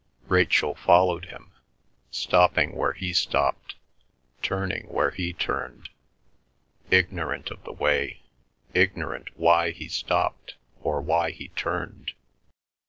Rachel followed him, stopping where he stopped, turning where he turned, ignorant of the way, ignorant why he stopped or why he turned.